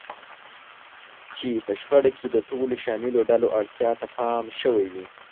چې په شخړه کې د ټولو شاملو ډلو اړتیا ته پام شوی وي.